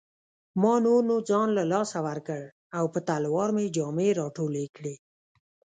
ما نور نو ځان له لاسه ورکړ او په تلوار مې جامې راټولې کړې.